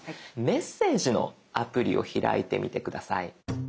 メッセージのアプリを開いてみて下さい。